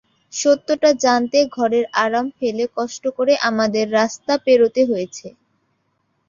সত্যটা জানতে ঘরের আরাম ফেলে কষ্ট করে আমাদের রাস্তা পেরোতে হয়েছে।